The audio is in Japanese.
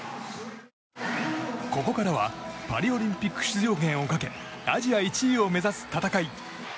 ここからはパリオリンピック出場権をかけアジア１位を目指す戦い。